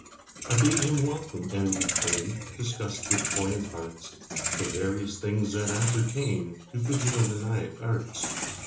I bade him welcome, and we twainDiscussed with buoyant heartsThe various things that appertainTo bibliomaniac arts.